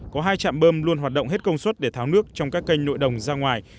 có hai trạm bơm luôn hoạt động hết công suất để tháo nước trong các kênh nội đồng ra ngoài